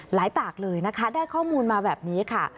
ปากเลยนะคะได้ข้อมูลมาแบบนี้ค่ะ